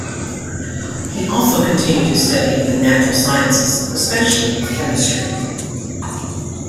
He also continued his study of the natural sciences, especially of chemistry.